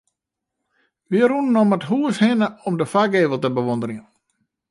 Wy rûnen om it hûs hinne om de foargevel te bewûnderjen.